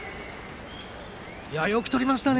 よくとりましたね。